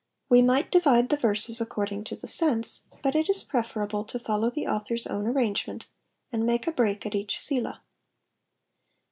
'* We might divide tfie verses according to the sense, but it is preferable to follow the author's own arrangement, and make a break at each Selah.